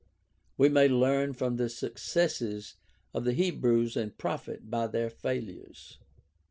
We may learn from the successes of the Hebrews and profit by their failures.